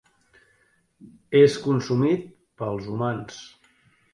És consumit pels humans.